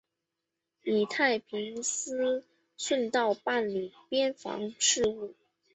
以太平思顺道办理边防事务。